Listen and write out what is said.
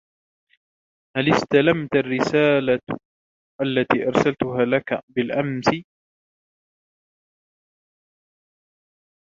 هل إستلمتَ الرسالة التي أرسلتها لكَ بالأمس؟